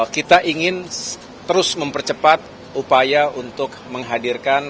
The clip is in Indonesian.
kita ingin terus mempercepat upaya untuk menghadirkan